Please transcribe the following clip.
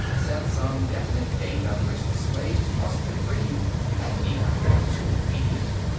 Set some definite date on which the slaves must all be freed; that need not be too immediate.